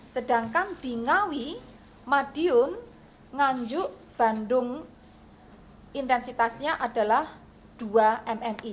sedangkan di ngawi madiun nganjuk bandung intensitasnya adalah dua mmi